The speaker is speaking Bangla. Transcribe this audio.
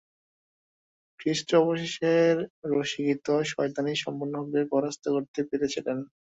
খ্রীষ্ট অবশেষে রাশীকৃত শয়তানি সম্পূর্ণভাবে পরাস্ত করতে পেরেছিলেন।